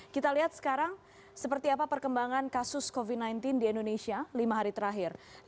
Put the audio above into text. kita lihat sekarang seperti apa perkembangan kasus covid sembilan belas di indonesia lima hari terakhir